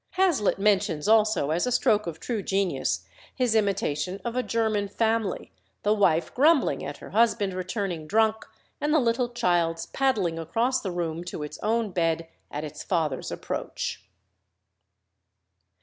Hazlitt mentions also as a stroke of true genius his imitation of a German family, the wife grumbling at her husband returning drunk, and the little child's paddling across the room to its own bed at its father's approach.